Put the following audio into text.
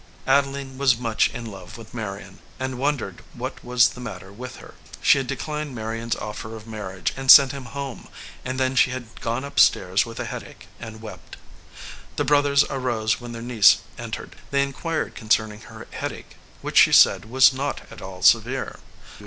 Adeline was much in love with Marion, and won dered what was the matter with her. She had declined Marion s offer of marriage, and sent him home, and then she had gone upstairs with a head ache, and wept. The brothers arose when their niece entered. They inquired concerning her head ache, which she said was not at all severe.